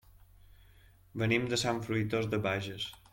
Venim de Sant Fruitós de Bages.